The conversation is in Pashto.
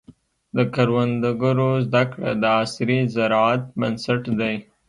د کروندګرو زده کړه د عصري زراعت بنسټ دی.